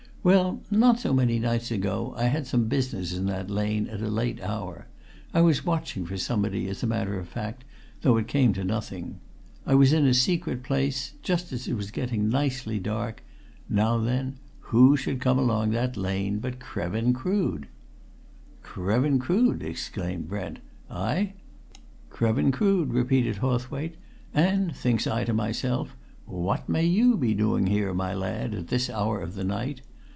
"Well, not so many nights ago I had some business in that lane, at a late hour I was watching for somebody, as a matter of fact, though it came to nothing. I was in a secret place, just as it was getting nicely dark. Now then, who should come along that lane but Krevin Crood!" "Krevin Crood!" exclaimed Brent. "Ay?" "Krevin Crood," repeated Hawthwaite. "And thinks I to myself, 'What may you be doing here, my lad, at this hour of the night?'